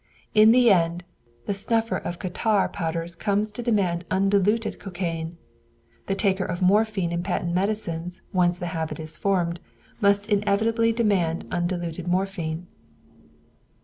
In the end, the snuffer of catarrh powders comes to demand undiluted cocaine; the taker of morphine in patent medicines, once the habit is formed, must inevitably demand undiluted morphine.